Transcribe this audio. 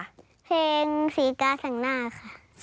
เพลงสีกาสั่งหน้าค่ะ